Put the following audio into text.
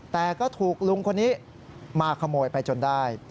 แต่ก็ถูกลุงคนนี้มาขโมยไปจนได้